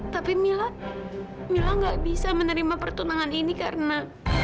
tapi mila tidak bisa menerima pertunangan ini karena